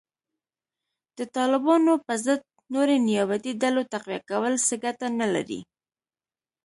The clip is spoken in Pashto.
د طالبانو په ضد نورې نیابتي ډلو تقویه کول څه ګټه نه لري